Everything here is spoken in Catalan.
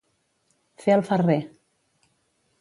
Fer el ferrer.